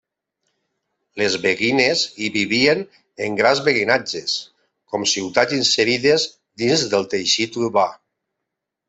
Les beguines hi vivien en grans beguinatges, com ciutats inserides dins del teixit urbà.